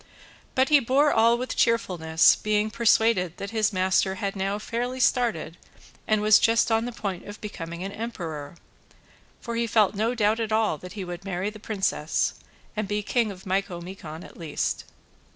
But he bore all with cheerfulness, being persuaded that his master had now fairly started and was just on the point of becoming an emperor; for he felt no doubt at all that he would marry this princess, and be king of Micomicon at least.